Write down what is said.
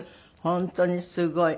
本当にすごい。